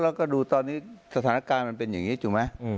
แล้วก็ดูตอนนี้สถานการณ์มันเป็นอย่างนี้ถูกไหม